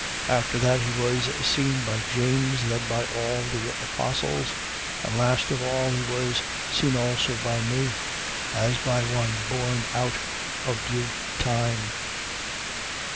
15:7. After that, he was seen by James: then by all the apostles. 15:8. And last of all, he was seen also by me, as by one born out of due tine.